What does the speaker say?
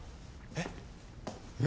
えっ？